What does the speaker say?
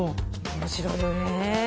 面白いよね。